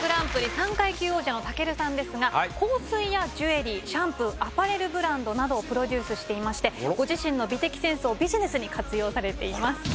三階級王者の武尊さんですが香水やジュエリーシャンプーアパレルブランドなどをプロデュースしていましてご自身の美的センスをビジネスに活用されています。